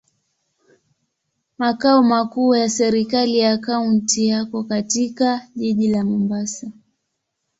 Makao makuu ya serikali ya kaunti yako katika jiji la Mombasa.